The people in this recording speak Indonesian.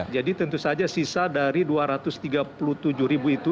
jadi tentu saja sisa dari dua ratus tiga puluh tujuh ribu itu